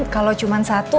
kalau cuma satu